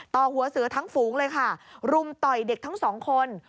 ต่อหัวเสือทั้งฝูงเลยค่ะรุมต่อยเด็กทั้งสองคน